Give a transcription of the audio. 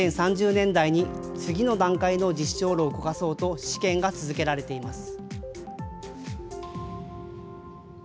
２０３０年代に次の段階の実証炉を動かそうと、試験が続けられています。